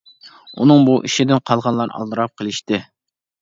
ئۇنىڭ بۇ ئىشىدىن قالغانلار ئالدىراپ قېلىشتى.